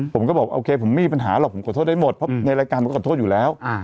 ผมก็บอกโอเคผมไม่มีปัญหาหรอกผมขอโทษได้หมดเพราะในรายการผมก็ขอโทษอยู่แล้ว